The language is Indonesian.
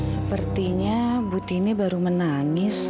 sepertinya butini baru menangis